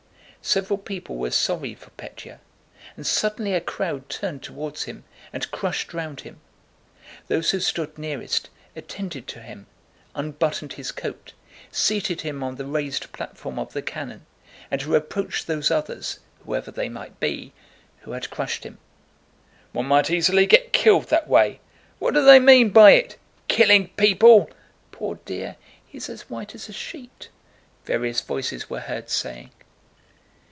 Several people were sorry for Pétya, and suddenly a crowd turned toward him and pressed round him. Those who stood nearest him attended to him, unbuttoned his coat, seated him on the raised platform of the cannon, and reproached those others (whoever they might be) who had crushed him. "One might easily get killed that way! What do they mean by it? Killing people! Poor dear, he's as white as a sheet!"—various voices were heard saying.